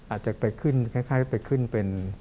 อาจจะไปขึ้นคล้ายไปขึ้นเป็น